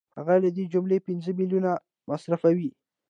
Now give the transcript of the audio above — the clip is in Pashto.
هغه له دې جملې پنځه میلیونه مصرفوي